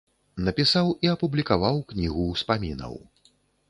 Напісаў і апублікаваў кнігу ўспамінаў.